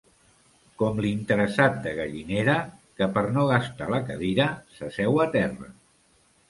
Com l'interessat de Gallinera, que per no gastar la cadira s'asseu a terra.